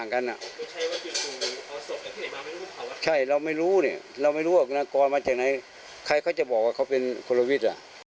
ใครเขาจะบอกว่าเขาเป็นคนละวิทย์ล่ะ